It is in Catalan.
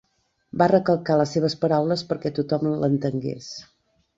Va recalcar les seves paraules perquè tothom l'entengués.